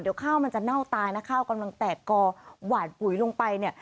เดี๋ยวข้าวมันจะเน่าตายนะข้าวกำลังแตกกอหวานปุ๋ยลงไปเนี่ย